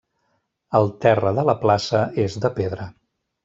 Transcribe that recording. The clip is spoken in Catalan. El terra de la plaça és de pedra.